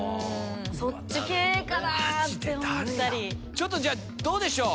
ちょっとどうでしょう？